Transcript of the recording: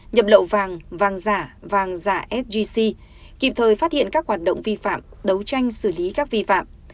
nhập lậu vàng giả vàng giả sgc kịp thời phát hiện các hoạt động vi phạm đấu tranh xử lý các vi phạm